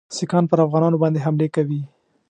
سیکهان پر افغانانو باندي حملې کوي.